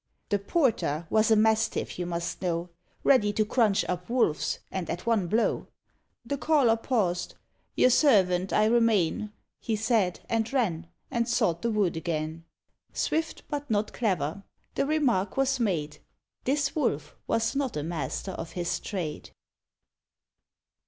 The porter was a mastiff, you must know, Ready to crunch up wolves, and at one blow. The caller paused: "Your servant I remain," He said, and ran and sought the wood again; Swift, but not clever: the remark was made, "This Wolf was not a master of his trade."